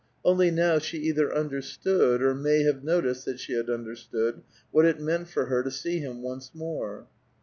Only now she either under stood, or may have noticed that she had understood, what it meant for her to see him once more.